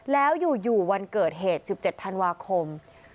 แล้วอยู่วันเกิดเหตุ๑๗ธันวาคม